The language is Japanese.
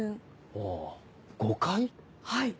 はい。